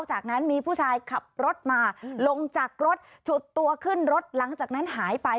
จากนั้นมีผู้ชายขับรถมาลงจากรถฉุดตัวขึ้นรถหลังจากนั้นหายไป